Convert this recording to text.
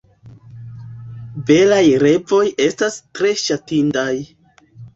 Belaj revoj estas tre ŝatindaj.